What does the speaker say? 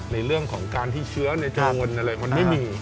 ในเรื่องของการที่เชื้อในจำนวนอะไรมันไม่มี